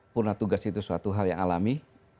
purna tugas itu suatu hal yang alami